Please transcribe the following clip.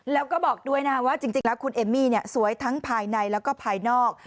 แล้วก็บอกด้วยนะว่าจริงแล้วคุณเอมมี่สวยทั้งภายในแล้วก็ภายนอก